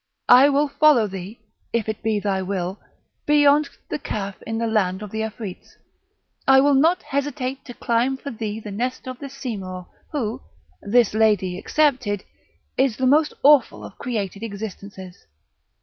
I will follow thee, if it be thy will, beyond the Kaf in the land of the Afrits; I will not hesitate to climb for thee the nest of the Simurgh, who, this lady excepted, is the most awful of created existences."